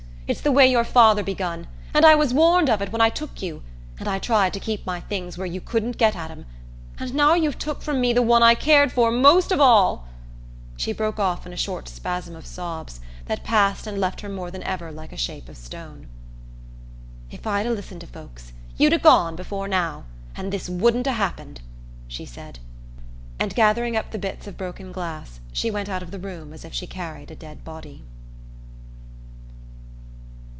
It's the way your father begun, and I was warned of it when I took you, and I tried to keep my things where you couldn't get at 'em and now you've took from me the one I cared for most of all " She broke off in a short spasm of sobs that passed and left her more than ever like a shape of stone. "If I'd 'a' listened to folks, you'd 'a' gone before now, and this wouldn't 'a' happened," she said; and gathering up the bits of broken glass she went out of the room as if she carried a dead body...